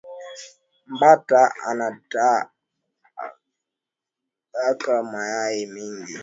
Mbata anatagaka mayayi mingi